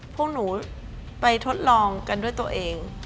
พวกหนูไปทดลองกันด้วยตัวเอง